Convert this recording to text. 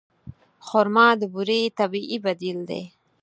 خرما د بوري طبیعي بدیل دی.